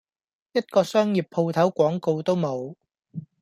一個商業舖頭廣告都冇!